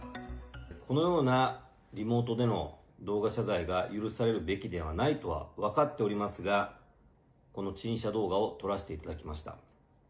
このようなリモートでの動画謝罪が許されるべきではないとは分かっておりますが、この陳謝動画を撮らせていただきました。